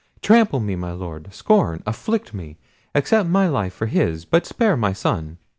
Trample me, my Lord, scorn, afflict me, accept my life for his, but spare my son!"